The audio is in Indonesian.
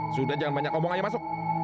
sudah jangan banyak ngomong aja masuk